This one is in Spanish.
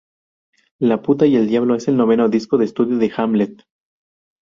La puta y el diablo es el noveno disco de estudio de Hamlet.